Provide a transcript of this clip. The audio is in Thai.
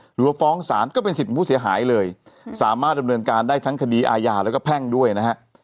หรือว่าฟ้องศาลก็เป็นสิทธิ์ผู้เสียหายเลยสามารถดำเนินการได้ทั้งคดีอาญาแล้วก็แพ่งด้วยนะฮะ